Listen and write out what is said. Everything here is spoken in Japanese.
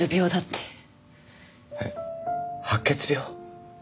え白血病？